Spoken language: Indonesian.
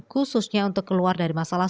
khususnya untuk keluar dari masalah